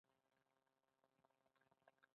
ننګرهار د افغانستان د اجتماعي جوړښت برخه ده.